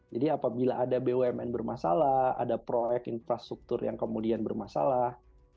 jadi apabila ada bumn bermasalah ada proyek infrastruktur yang kemudian bermasalah